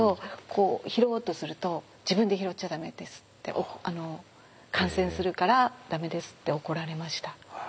こう拾おうとすると「自分で拾っちゃダメです」って「感染するからダメです」って怒られました。